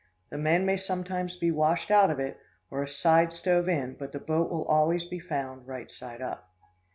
The men may sometimes be washed out of it, or a side stove in, but the boat will always be found right side up.